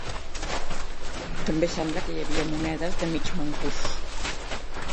També sembla que hi havia monedes de mig mancús.